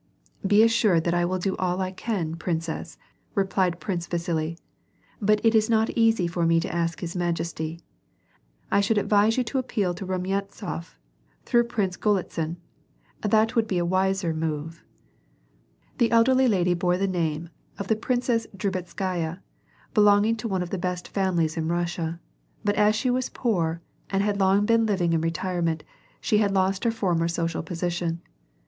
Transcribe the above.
^' Be assured that I will do all I can, princess/' replied Prince Vasili; ''but it is not easy for me to ask his maiesty; I should advise you to appeal to Bumyantsof through Prince Golitsin. That would be a wiser move." The elderly lady bore the name of the Princess Drubetskaya^ belonging to one of the best families in Kussia, but as she was poor, and had long been living in retirement, she had lost her former social ^sition.